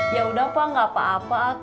yaudah pak nggak apa apa